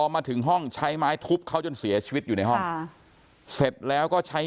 มาถึงห้องใช้ไม้ทุบเขาจนเสียชีวิตอยู่ในห้องเสร็จแล้วก็ใช้